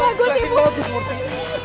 lontarin bagus om